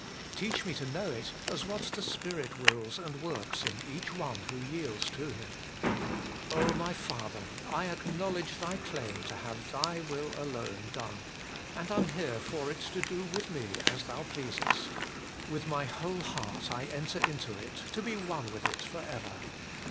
Teach me to know it as what the Spirit wills and works in each one who yields to Him. my Father ! I acknowledge Thy claim to have Thy will alone done, and am here for it to do with me as Thou pleasest. With my whole heart I enter into it, to be one with it for ever.